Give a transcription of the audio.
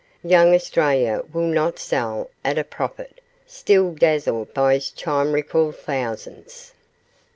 Young Australia will not sell at a profit, still dazzled by his chimerical thousands.